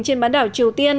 trên bán đảo triều tiên